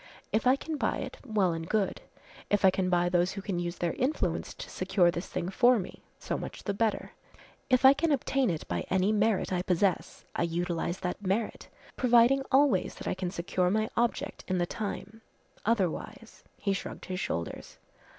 If I can buy it, well and good. If I can buy those who can use their influence to secure this thing for me, so much the better. If I can obtain it by any merit I possess, I utilize that merit, providing always, that I can secure my object in the time, otherwise " He shrugged his shoulders.